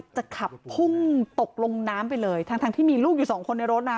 จะขับพุ่งตกลงน้ำไปเลยทั้งทั้งที่มีลูกอยู่สองคนในรถนะ